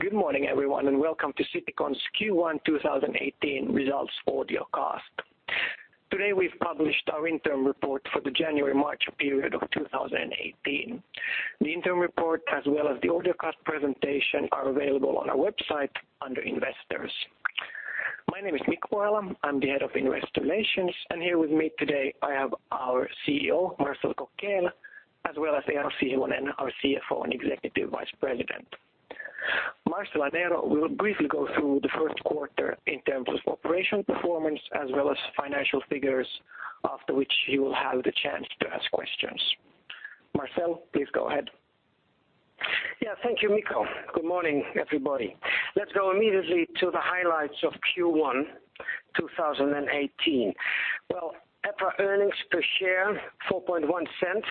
Good morning, everyone. Welcome to Citycon's Q1 2018 results audio cast. Today we've published our interim report for the January-March period of 2018. The interim report, as well as the audio cast presentation, are available on our website under Investors. My name is Mikko Pohjala. I'm the Head of Investor Relations, and here with me today, I have our CEO, Marcel Kokkeel, as well as Eero Sihvonen, our CFO and Executive Vice President. Marcel and Eero will briefly go through the first quarter in terms of operation performance as well as financial figures. After which, you will have the chance to ask questions. Marcel, please go ahead. Thank you, Mikko Pohjala. Good morning, everybody. Let's go immediately to the highlights of Q1 2018. EPRA earnings per share, 0.041.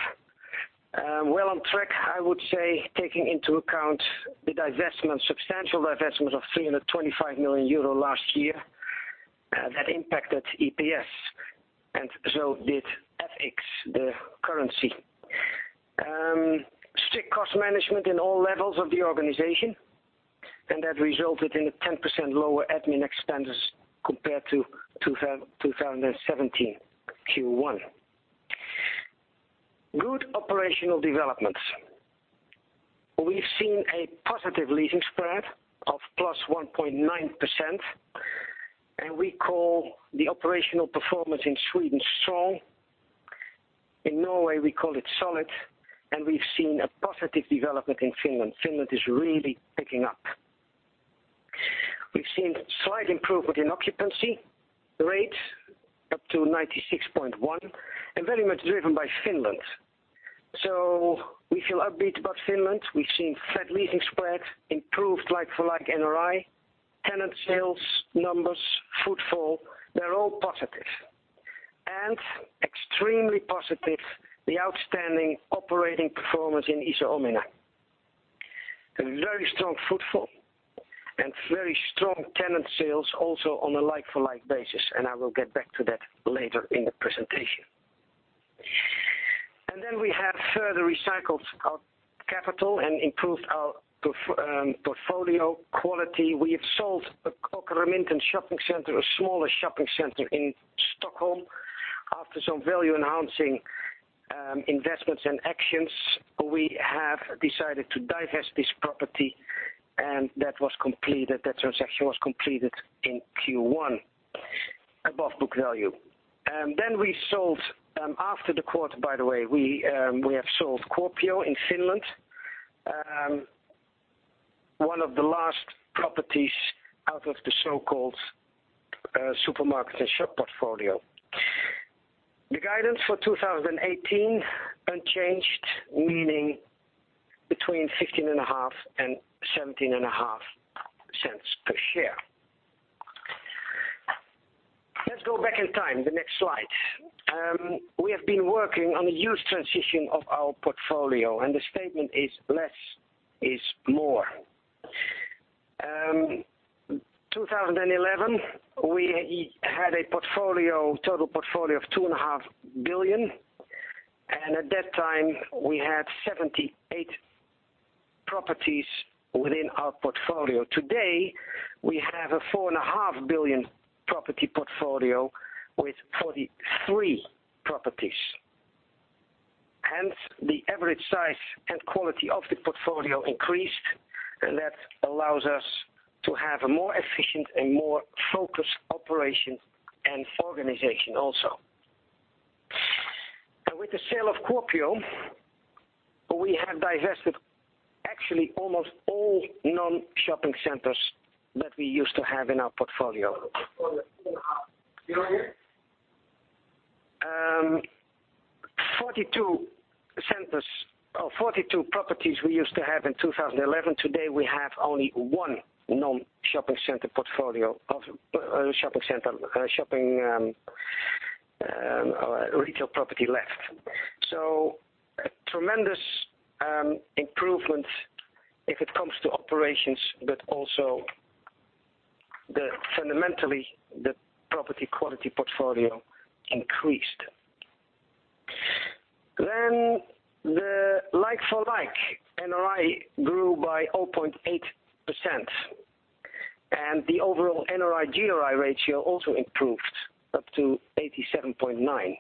On track, I would say, taking into account the substantial divestment of 325 million euro last year. That impacted EPS. So did FX, the currency. Strict cost management in all levels of the organization. That resulted in a 10% lower admin expenses compared to 2017 Q1. Good operational developments. We've seen a positive leasing spread of +1.9%. We call the operational performance in Sweden strong. In Norway, we call it solid. We've seen a positive development in Finland. Finland is really picking up. We've seen slight improvement in occupancy rates up to 96.1%. Very much driven by Finland. We feel upbeat about Finland. We've seen flat leasing spread, improved like-for-like NRI, tenant sales, numbers, footfall. They're all positive. Extremely positive, the outstanding operating performance in Iso Omena. A very strong footfall and very strong tenant sales also on a like-for-like basis. I will get back to that later in the presentation. We have further recycled our capital and improved our portfolio quality. We have sold the Kockum Intimates shopping center, a smaller shopping center in Stockholm. After some value-enhancing investments and actions, we have decided to divest this property. That transaction was completed in Q1 above book value. After the quarter, by the way, we have sold Kuopio in Finland, one of the last properties out of the so-called supermarkets and shop portfolio. The guidance for 2018 unchanged, meaning between 0.155 and 0.175 per share. Let's go back in time, the next slide. We have been working on a huge transition of our portfolio. The statement is, less is more. In 2011, we had a total portfolio of 2.5 billion. At that time, we had 78 properties within our portfolio. Today, we have a 4.5 billion property portfolio with 43 properties. Hence, the average size and quality of the portfolio increased. That allows us to have a more efficient and more focused operation and organization also. With the sale of Kuopio, we have divested actually almost all non-shopping centers that we used to have in our portfolio. EUR 4.5 billion. 42 properties we used to have in 2011. Today, we have only one non shopping center retail property left. A tremendous improvement if it comes to operations, but also fundamentally, the property quality portfolio increased. The like-for-like NRI grew by 0.8%, and the overall NRI/GRI ratio also improved up to 87.9%.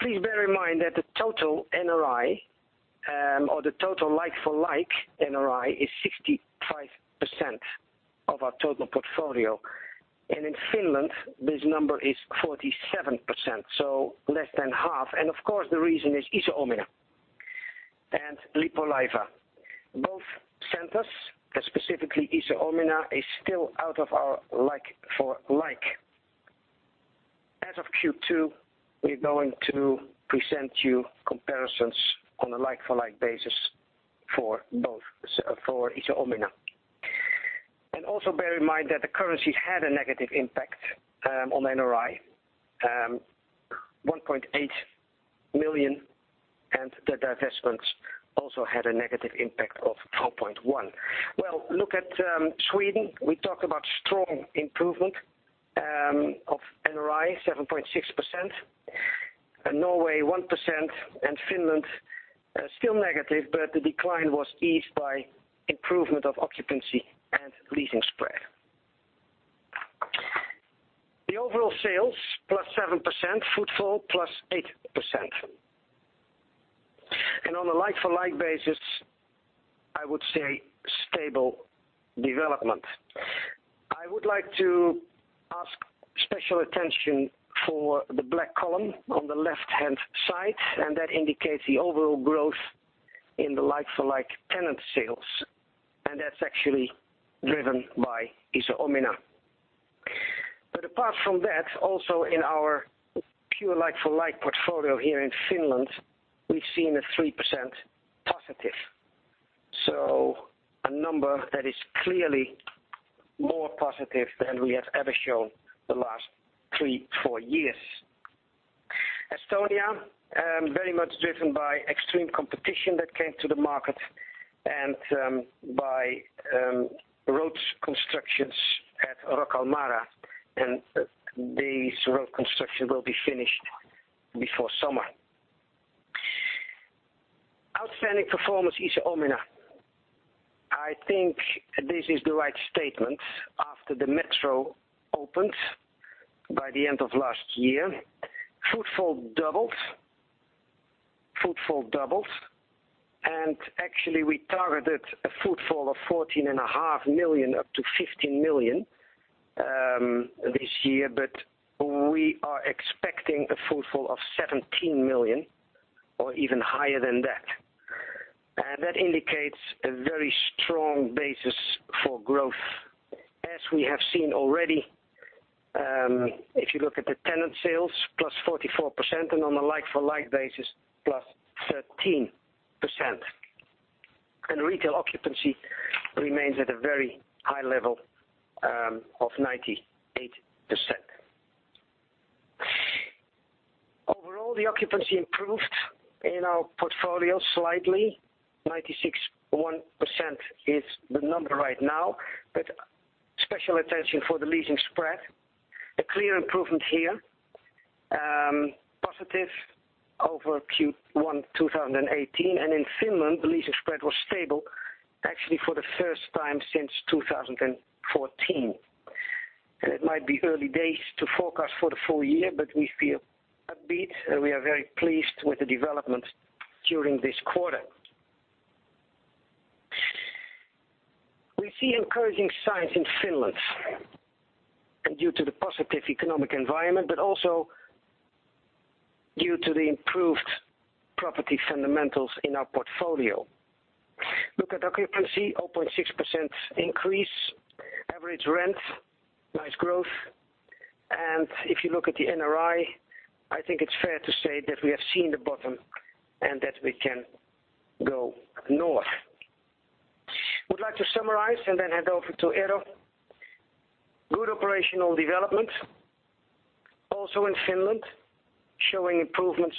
Please bear in mind that the total NRI or the total like-for-like NRI is 65% of our total portfolio. In Finland, this number is 47%, so less than half. Of course, the reason is Iso Omena and Lippulaiva. Both centers, specifically Iso Omena, is still out of our like-for-like. As of Q2, we're going to present you comparisons on a like-for-like basis for both, for Iso Omena. Also bear in mind that the currency had a negative impact on NRI, 1.8 million, and the divestments also had a negative impact of 12.1 million. Well, look at Sweden. We talked about strong improvement of NRI, 7.6%. Norway 1% and Finland still negative, but the decline was eased by improvement of occupancy and leasing spread. The overall sales +7%, footfall +8%. On a like-for-like basis, I would say stable development. I would like to ask special attention for the black column on the left-hand side, that indicates the overall growth in the like-for-like tenant sales. That's actually driven by Iso Omena. Apart from that, also in our pure like-for-like portfolio here in Finland, we've seen a 3% positive. A number that is clearly more positive than we have ever shown the last three, four years. Estonia, very much driven by extreme competition that came to the market and by roads constructions at Rocca al Mare, and this road construction will be finished before summer. Outstanding performance, Iso Omena. I think this is the right statement after the metro opened by the end of last year. Footfall doubled. Actually, we targeted a footfall of 14.5 million up to 15 million this year. We are expecting a footfall of 17 million or even higher than that. That indicates a very strong basis for growth, as we have seen already, if you look at the tenant sales, +44%, and on a like-for-like basis, +13%. Retail occupancy remains at a very high level of 98%. Overall, the occupancy improved in our portfolio slightly, 96.1% is the number right now. Special attention for the leasing spread. A clear improvement here, positive over Q1 2018. In Finland, the leasing spread was stable actually for the first time since 2014. It might be early days to forecast for the full year, we feel upbeat, we are very pleased with the development during this quarter. We see encouraging signs in Finland due to the positive economic environment, due to the improved property fundamentals in our portfolio. Look at occupancy, 0.6% increase. Average rent, nice growth. If you look at the NRI, I think it is fair to say that we have seen the bottom and that we can go north. Would like to summarize, then hand over to Eero. Good operational development. Also in Finland, showing improvements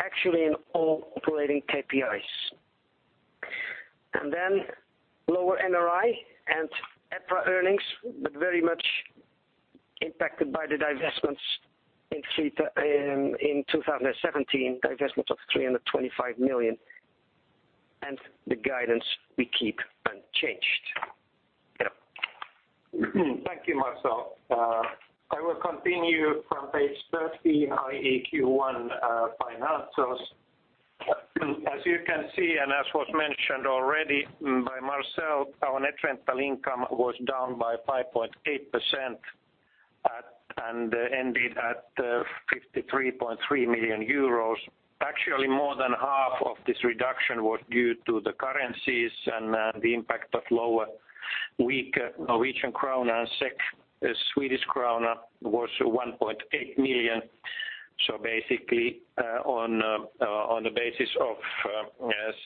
actually in all operating KPIs. Lower NRI and EPRA earnings, but very much impacted by the divestments in 2017, divestment of 325 million. The guidance we keep unchanged. Eero. Thank you, Marcel. I will continue from page 13, i.e., Q1 financials. As you can see, as was mentioned already by Marcel, our net rental income was down by 5.8% and ended at 53.3 million euros. Actually, more than half of this reduction was due to the currencies and the impact of lower, weak Norwegian crown and SEK. Swedish crown was EUR 1.8 million. Basically, on the basis of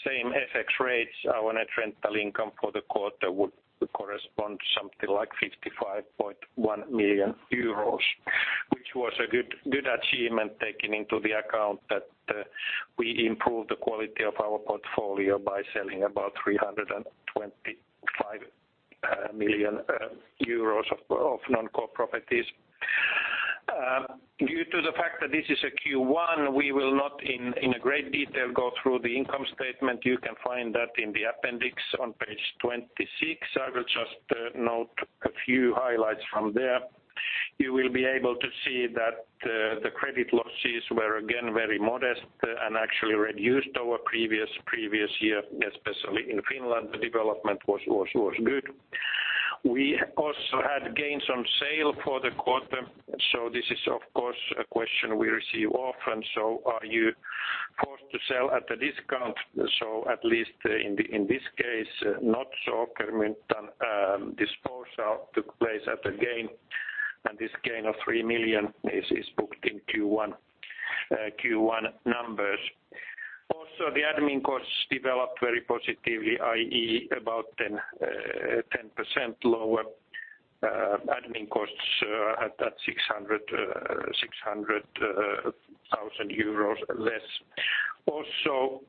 same FX rates, our net rental income for the quarter would correspond to something like 55.1 million euros, which was a good achievement taking into account that we improved the quality of our portfolio by selling about 325 million euros of non-core properties. Due to the fact that this is a Q1, we will not in great detail go through the income statement. You can find that in the appendix on page 26. I will just note a few highlights from there. You will be able to see that the credit losses were again very modest and actually reduced our previous year, especially in Finland, the development was good. We also had gains on sale for the quarter. This is of course a question we receive often. Are you forced to sell at a discount? At least in this case, not so. Kermit and disposal took place at a gain, and this gain of 3 million is booked in Q1 numbers. Also, the admin costs developed very positively, i.e., about 10% lower admin costs at that 600,000 euros less.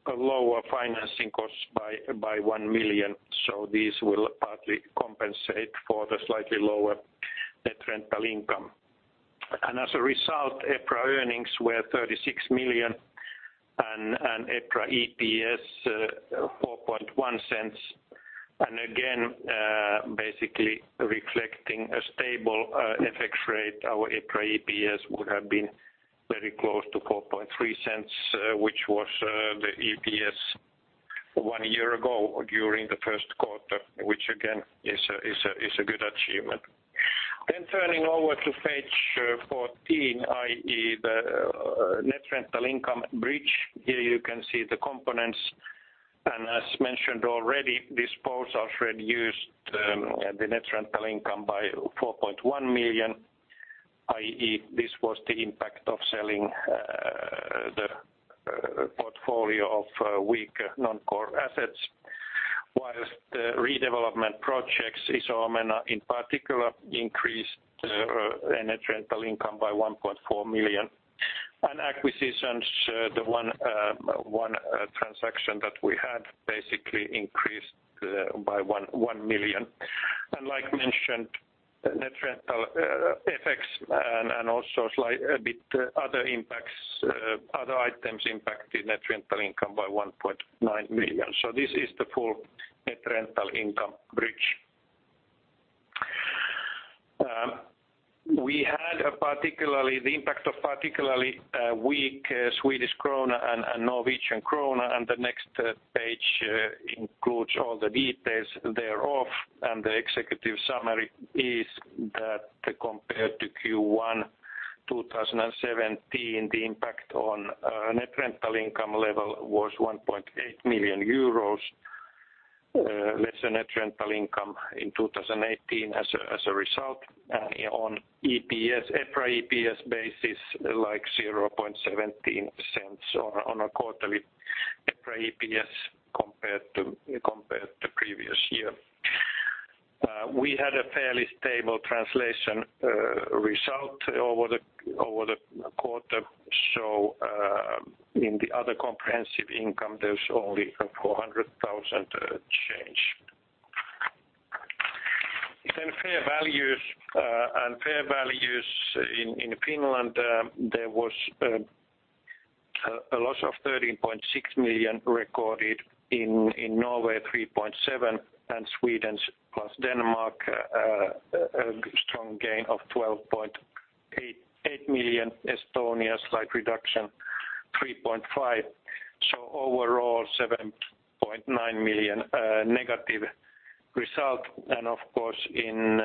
Lower financing costs by 1 million. These will partly compensate for the slightly lower net rental income. As a result, EPRA earnings were 36 million and EPRA EPS 0.041. Again, basically reflecting a stable FX rate, our EPRA EPS would have been very close to 0.043, which was the EPS one year ago during the first quarter, which again is a good achievement. Turning over to page 14, i.e., the net rental income bridge. Here you can see the components, as mentioned already, disposals reduced the net rental income by 4.1 million, i.e., this was the impact of selling the portfolio of weak non-core assets, whilst the redevelopment projects, Iso Omena in particular, increased net rental income by 1.4 million. Acquisitions, the one transaction that we had basically increased by 1 million. Like mentioned, net rental FX and also a bit other impacts, other items impacted net rental income by 1.9 million. This is the full net rental income bridge. We had the impact of particularly weak Swedish krona and Norwegian krona. The next page includes all the details thereof. The executive summary is that compared to Q1 2017, the impact on net rental income level was 1.8 million euros less than net rental income in 2018 as a result on EPRA EPS basis like 0.17 on a quarterly EPRA EPS compared to previous year. We had a fairly stable translation result over the quarter. In the other comprehensive income, there is only 400,000 change. Fair values. Fair values in Finland, there was a loss of 13.6 million recorded. In Norway 3.7 million, Sweden plus Denmark, a strong gain of 12.8 million. Estonia, slight reduction, 3.5 million. Overall, 7.9 million negative result. Of course in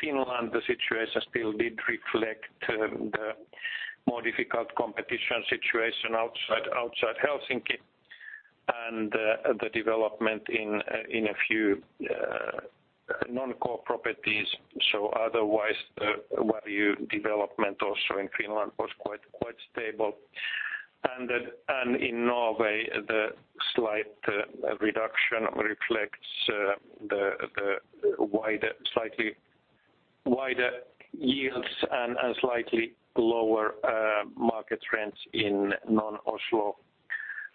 Finland, the situation still did reflect the more difficult competition situation outside Helsinki and the development in a few non-core properties. Otherwise, value development also in Finland was quite stable. In Norway, the slight reduction reflects the slightly wider yields and slightly lower market rents in non-Oslo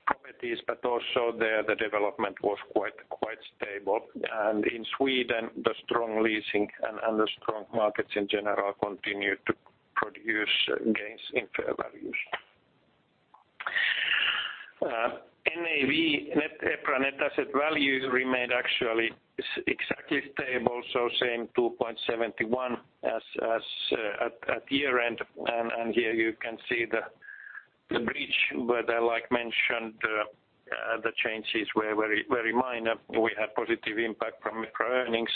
properties. Also there, the development was quite stable. In Sweden, the strong leasing and the strong markets in general continued to produce gains in fair values. NAV, EPRA net asset values remained actually exactly stable, so same 2.71 as at year-end. Here you can see the bridge where, like mentioned, the changes were very minor. We had positive impact from EPRA earnings.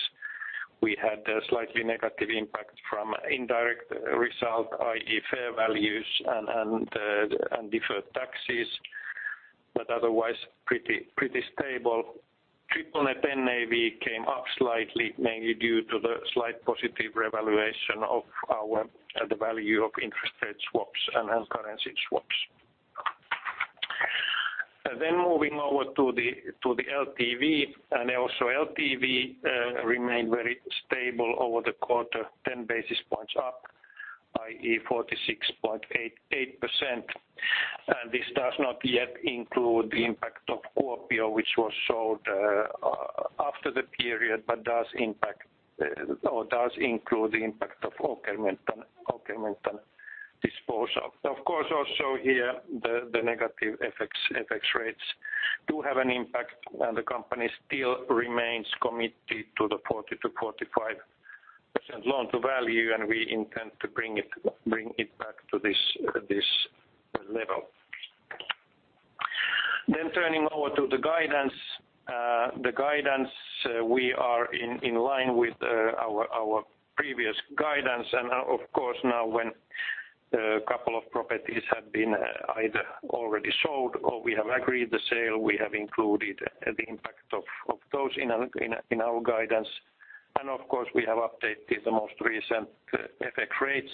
We had a slightly negative impact from indirect result, i.e. fair values and deferred taxes. Otherwise pretty stable. Triple net NAV came up slightly mainly due to the slight positive revaluation of the value of interest rate swaps and currency swaps. Moving over to the LTV. Also LTV remained very stable over the quarter, 10 basis points up, i.e., 46.88%. This does not yet include the impact of Kuopio, which was sold after the period, but does include the impact of Åkerlund disposal. Of course, also here the negative FX rates do have an impact. The company still remains committed to the 40%-45% loan to value, and we intend to bring it back to this level. Turning over to the guidance. The guidance, we are in line with our previous guidance. Of course now when a couple of properties have been either already sold or we have agreed the sale, we have included the impact of those in our guidance. Of course, we have updated the most recent FX rates.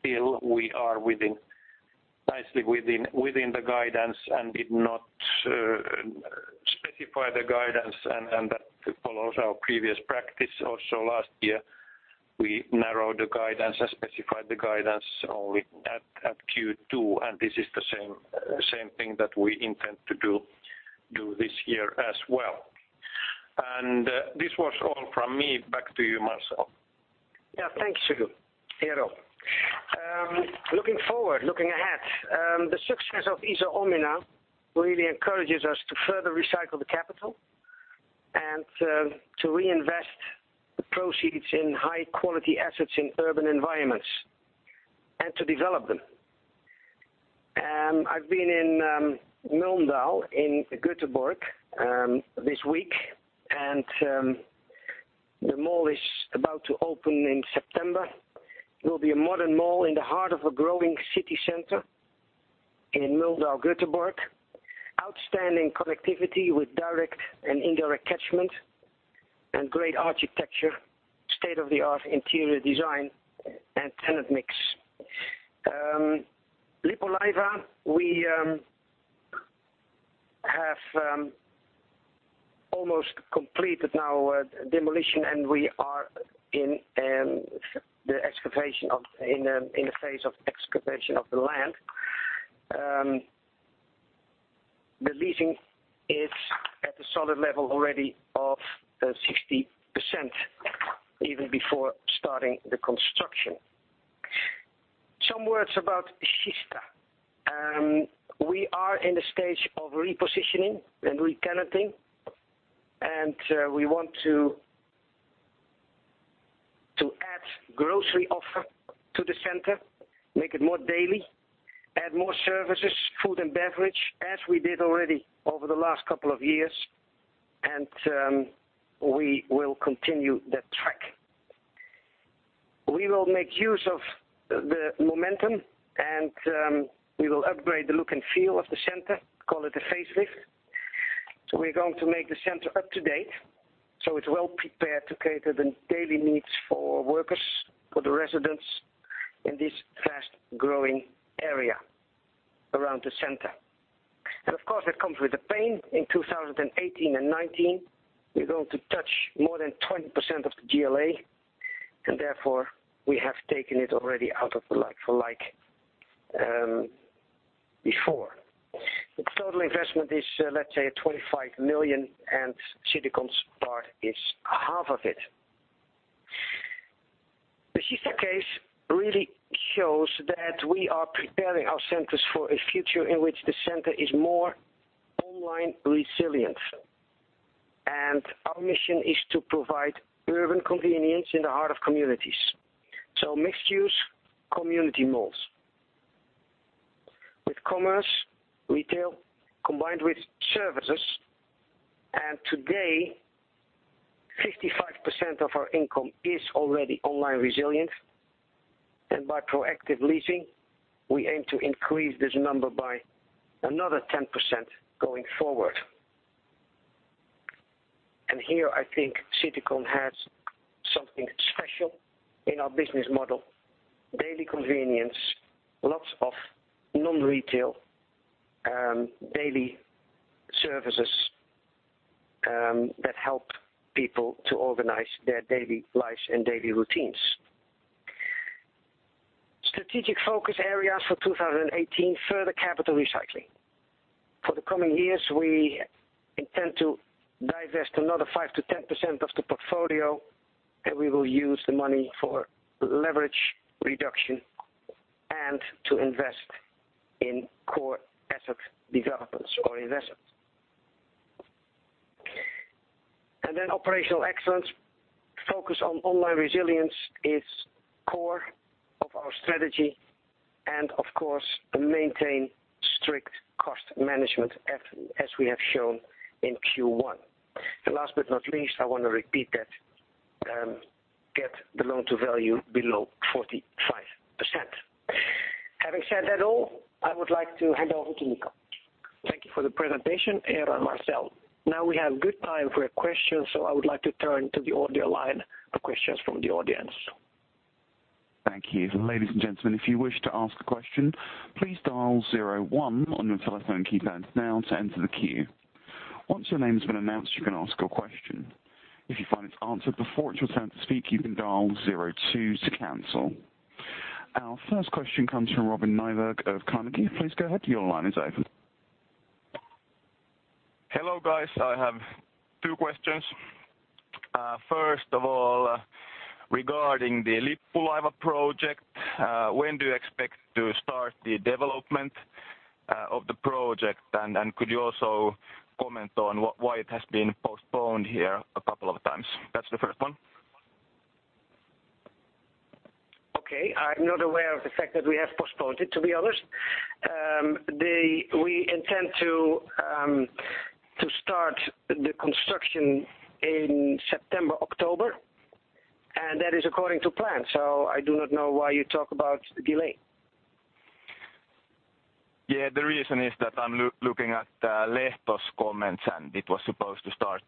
Still we are nicely within the guidance and did not specify the guidance and that follows our previous practice. Also last year, we narrowed the guidance and specified the guidance only at Q2, and this is the same thing that we intend to do this year as well. This was all from me. Back to you, Marcel. Thanks, Eero. Looking forward, looking ahead, the success of Iso Omena really encourages us to further recycle the capital and to reinvest the proceeds in high quality assets in urban environments and to develop them. I've been in Mölndal in Göteborg this week, and the mall is about to open in September. It will be a modern mall in the heart of a growing city center in Mölndal, Göteborg. Outstanding connectivity with direct and indirect catchment and great architecture, state-of-the-art interior design and tenant mix. Lippulaiva, we have almost completed now demolition, and we are in the phase of excavation of the land. The leasing is at the solid level already of 60%, even before starting the construction. Some words about Kista. We are in the stage of repositioning and re-tenanting, and we want to add grocery offer to the center, make it more daily, add more services, food, and beverage as we did already over the last couple of years, and we will continue that track. We will make use of the momentum and we will upgrade the look and feel of the center, call it a facelift. We're going to make the center up to date, so it's well prepared to cater the daily needs for workers, for the residents in this fast growing area around the center. Of course, that comes with a pain. In 2018 and 2019, we're going to touch more than 20% of the GLA, and therefore, we have taken it already out of the like-for-like before. The total investment is, let's say 25 million, and Citycon's part is half of it. The Kista case really shows that we are preparing our centers for a future in which the center is more online resilient. Our mission is to provide urban convenience in the heart of communities. So mixed-use community malls. With commerce, retail, combined with services. Today, 55% of our income is already online resilient. By proactive leasing, we aim to increase this number by another 10% going forward. Here, I think Citycon has something special in our business model. Daily convenience, lots of non-retail, daily services that help people to organize their daily lives and daily routines. Strategic focus areas for 2018, further capital recycling. For the coming years, we intend to divest another 5%-10% of the portfolio, and we will use the money for leverage reduction and to invest in core asset developments or investments. Then operational excellence. Focus on online resilience is core of our strategy, and of course, maintain strict cost management as we have shown in Q1. Last but not least, I want to repeat that, get the loan to value below 45%. Having said that all, I would like to hand over to Mikko. Thank you for the presentation, Eero and Marcel. We have good time for questions, I would like to turn to the audio line for questions from the audience. Thank you. Ladies and gentlemen, if you wish to ask a question, please dial 01 on your telephone keypad now to enter the queue. Once your name has been announced, you can ask your question. If you find it is answered before it is your turn to speak, you can dial 02 to cancel. Our first question comes from Robin Nyberg of Carnegie. Please go ahead, your line is open. Hello, guys. I have two questions. First of all, regarding the Lippulaiva project, when do you expect to start the development of the project? Could you also comment on why it has been postponed here a couple of times? That is the first one. Okay. I am not aware of the fact that we have postponed it, to be honest. We intend to start the construction in September, October, and that is according to plan. I do not know why you talk about delay. Yeah, the reason is that I'm looking at Lehto's comments, and it was supposed to start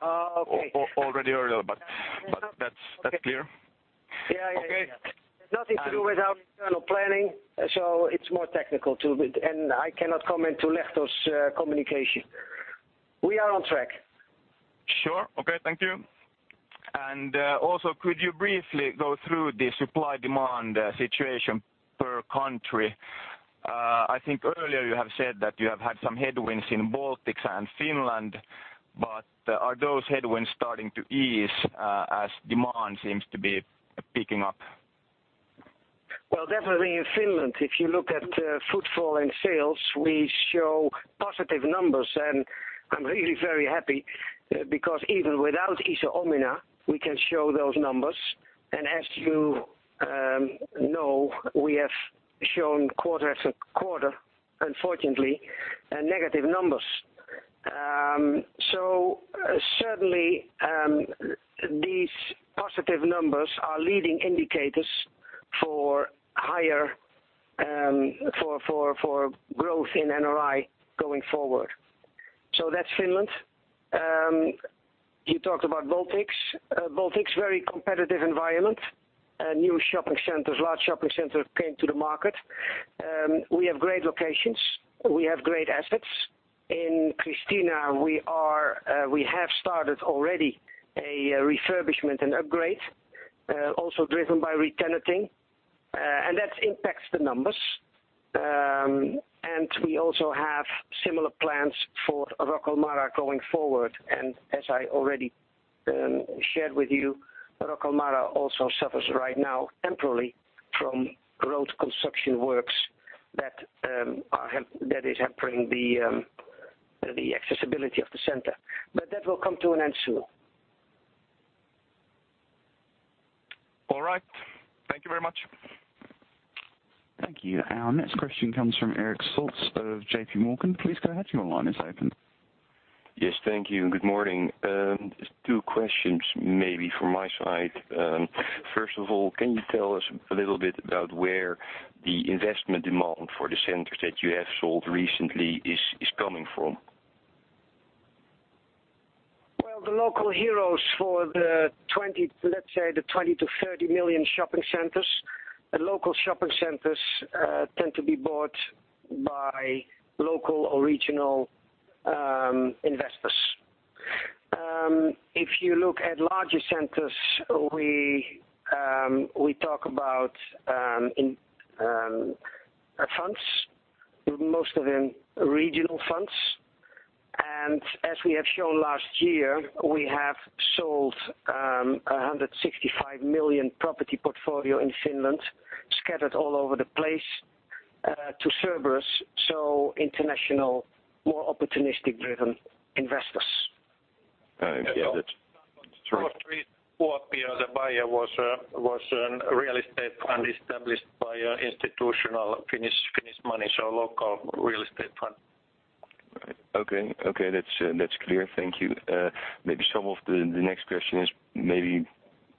Oh, okay already earlier, but that's clear. Yeah. Okay? It's nothing to do with our internal planning, so it's more technical to it. I cannot comment to Lehto's communication. We are on track. Sure. Okay. Thank you. Also, could you briefly go through the supply-demand situation per country? I think earlier you have said that you have had some headwinds in Baltics and Finland, are those headwinds starting to ease as demand seems to be picking up? Well, definitely in Finland. If you look at footfall and sales, we show positive numbers, I'm really very happy because even without Iso Omena, we can show those numbers. As you know, we have shown quarter after quarter, unfortunately, negative numbers. Certainly, these positive numbers are leading indicators for growth in NRI going forward. That's Finland. You talked about Baltics. Baltics, very competitive environment. New shopping centers, large shopping centers came to the market. We have great locations. We have great assets. In Kristiine, we have started already a refurbishment and upgrade, also driven by re-tenanting, that impacts the numbers. We also have similar plans for Rocca al Mare going forward. As I already shared with you, Rocca al Mare also suffers right now temporarily from road construction works that is hampering the accessibility of the center. That will come to an end soon. All right. Thank you very much. Thank you. Our next question comes from Erik Stoltz of JP Morgan. Please go ahead. Your line is open. Yes, thank you. Good morning. Just two questions maybe from my side. First of all, can you tell us a little bit about where the investment demand for the centers that you have sold recently is coming from? Well, the local heroes for the 20 million-30 million shopping centers. Local shopping centers tend to be bought by local or regional investors. If you look at larger centers, we talk about funds, most of them regional funds. As we have shown last year, we have sold 165 million property portfolio in Finland, scattered all over the place, to Cerberus, so international, more opportunistic-driven investors. Okay. Yeah, that's all right. For three, Kuopio, the buyer was a real estate fund established by institutional Finnish money, so local real estate fund. Okay. That's clear. Thank you. Maybe some of the next question is maybe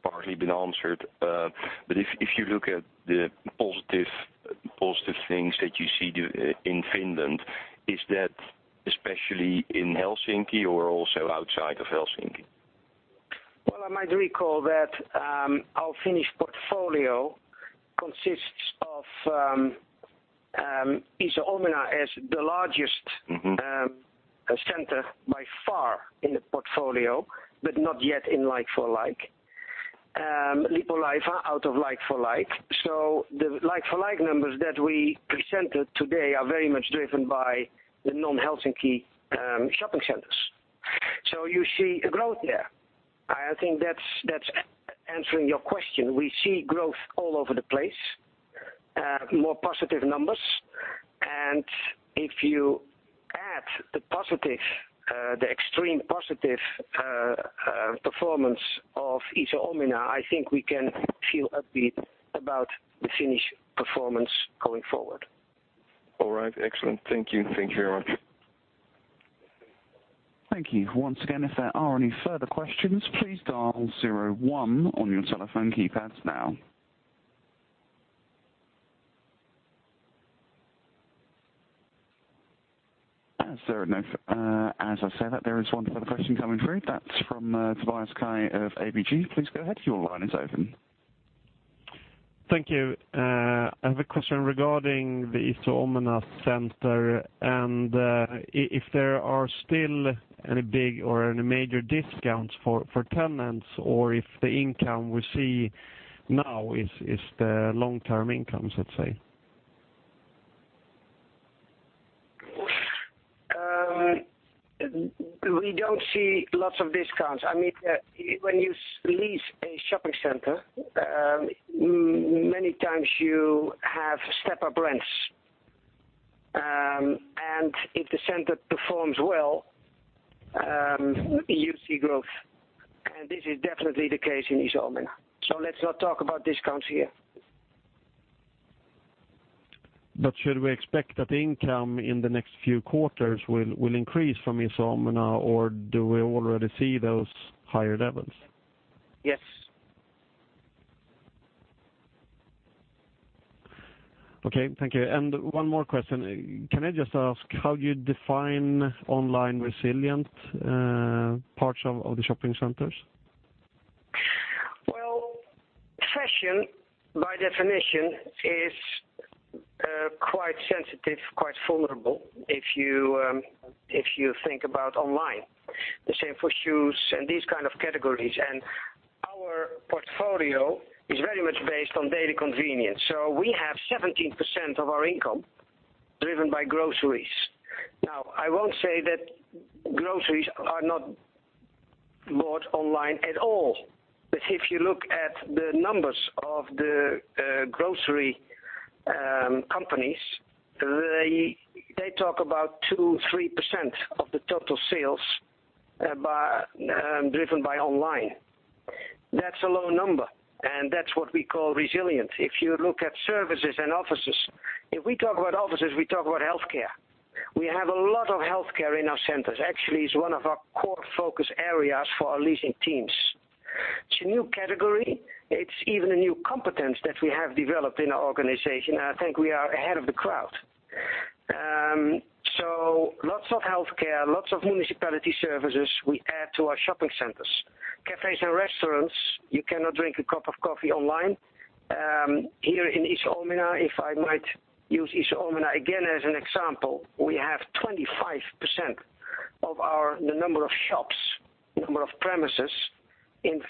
partly been answered. If you look at the positive things that you see in Finland, is that especially in Helsinki or also outside of Helsinki? Well, I might recall that our Finnish portfolio consists of Iso Omena as the largest- center by far in the portfolio, but not yet in like-for-like. Lippulaiva out of like-for-like. The like-for-like numbers that we presented today are very much driven by the non-Helsinki shopping centers. You see a growth there. I think that's answering your question. We see growth all over the place, more positive numbers. If you add the extreme positive performance of Iso Omena, I think we can feel upbeat about the Finnish performance going forward. All right. Excellent. Thank you very much. Thank you. Once again, if there are any further questions, please dial 01 on your telephone keypads now. As I say that, there is one further question coming through. That is from Tobias Kaj of ABG. Please go ahead. Your line is open. Thank you. I have a question regarding the Iso Omena and if there are still any big or any major discounts for tenants or if the income we see now is the long-term income, let's say. We do not see lots of discounts. When you lease a shopping center, many times you have step-up rents. If the center performs well, you see growth. This is definitely the case in Iso Omena. Let's not talk about discounts here. Should we expect that income in the next few quarters will increase from Iso Omena, or do we already see those higher levels? Yes Okay, thank you. One more question. Can I just ask how you define online resilient parts of the shopping centers? Well, fashion, by definition, is quite sensitive, quite vulnerable if you think about online. The same for shoes and these kind of categories. Our portfolio is very much based on daily convenience. We have 17% of our income driven by groceries. Now, I won't say that groceries are not bought online at all. If you look at the numbers of the grocery companies, they talk about 2%, 3% of the total sales driven by online. That's a low number, and that's what we call resilient. If you look at services and offices, if we talk about offices, we talk about healthcare. We have a lot of healthcare in our centers. Actually, it's one of our core focus areas for our leasing teams. It's a new category. It's even a new competence that we have developed in our organization, and I think we are ahead of the crowd. Lots of healthcare, lots of municipality services we add to our shopping centers. Cafes and restaurants, you cannot drink a cup of coffee online. Here in Iso Omena, if I might use Iso Omena again as an example, we have 25% of the number of shops, number of premises in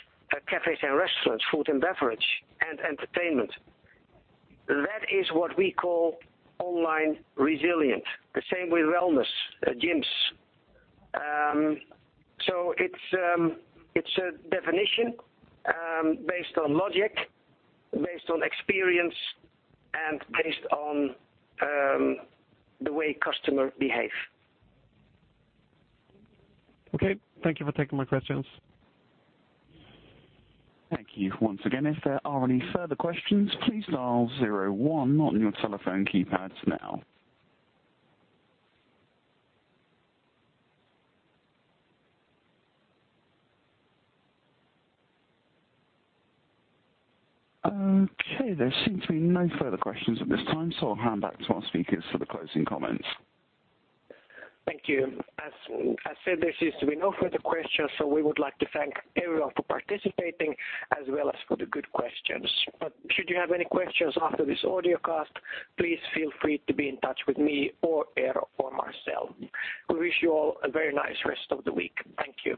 cafes and restaurants, food and beverage, and entertainment. That is what we call online resilient. The same with wellness, gyms. It's a definition based on logic, based on experience, and based on the way customers behave. Okay. Thank you for taking my questions. Thank you once again. If there are any further questions, please dial zero one on your telephone keypads now. Okay, there seem to be no further questions at this time, so I'll hand back to our speakers for the closing comments. Thank you. As said, there seems to be no further questions, we would like to thank everyone for participating as well as for the good questions. Should you have any questions after this audio cast, please feel free to be in touch with me or Eero or Marcel. We wish you all a very nice rest of the week. Thank you